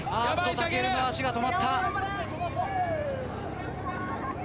たけるの足が止まった！